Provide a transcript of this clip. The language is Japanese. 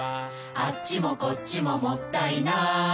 「あっちもこっちももったいない」